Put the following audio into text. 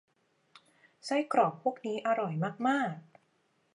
ไส้กรอกพวกนี้อร่อยมาก ๆ